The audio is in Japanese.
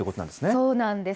そうなんです。